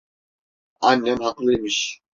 Annem haklıymış.